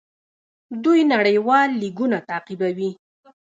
دوی نړیوال لیګونه تعقیبوي.